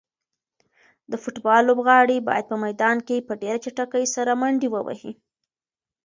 د فوټبال لوبغاړي باید په میدان کې په ډېره چټکۍ سره منډې ووهي.